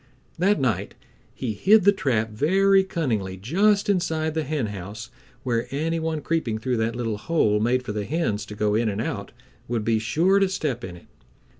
That night he hid the trap very cunningly just inside the henhouse where any one creeping through that little hole made for the hens to go in and out would be sure to step in it.